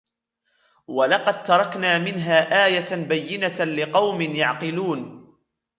ولقد تركنا منها آية بينة لقوم يعقلون